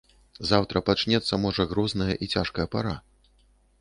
Заўтра пачнецца можа грозная і цяжкая пара.